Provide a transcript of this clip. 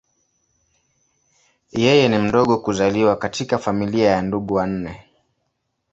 Yeye ni mdogo kuzaliwa katika familia ya ndugu wanne.